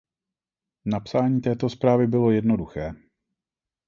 Napsání této zprávy bylo jednoduché.